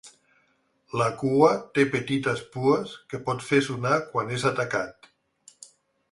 La cua té petites pues que pot fer sonar quan és atacat.